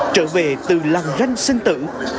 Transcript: trở về từ làng ranh sinh tử